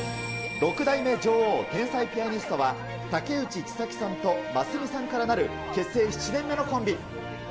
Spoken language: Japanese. ６代目女王、天才ピアニストは、竹内知咲さんとますみさんからなる、結成７年目のコンビ。